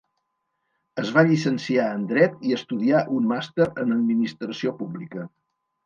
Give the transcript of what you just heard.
Es va llicenciar en dret i estudià un màster en Administració Pública.